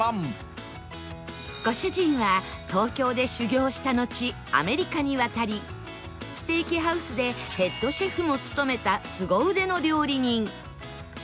ご主人は東京で修業したのちアメリカに渡りステーキハウスでヘッドシェフも務めたすご腕の料理人